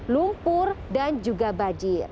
lumpur dan juga bajir